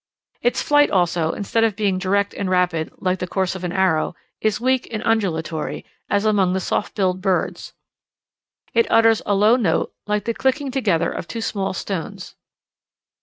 Its flight also, instead of being direct and rapid, like the course of an arrow, is weak and undulatory, as among the soft billed birds. It utters a low note, like the clicking together of two small stones.